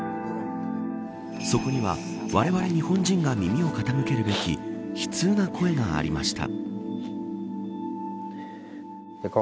そこには、われわれ日本人が耳を傾けるべき悲痛な声がありました。